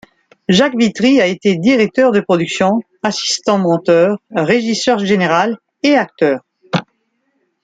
Jacques Vitry a été directeur de production, assistant monteur, régisseur général, et acteur.